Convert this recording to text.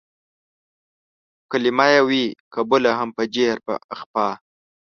کلمه يې وي قبوله هم په جهر په اخفا